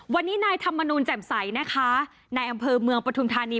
วันนี้นายธรรมนูลแจ่มใสนะคะนายอำเภอเมืองปฐุมธานี